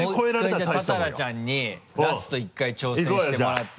じゃあもう１回多々良ちゃんにラスト１回挑戦してもらって。